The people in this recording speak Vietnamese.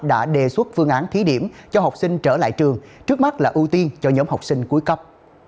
đã đề xuất phương án thí điểm cho học sinh trở lại trường trước mắt là ưu tiên cho nhóm học sinh cuối cấp